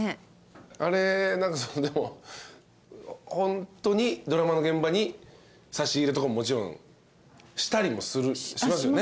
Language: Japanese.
あれホントにドラマの現場に差し入れとかももちろんしたりもしますよね？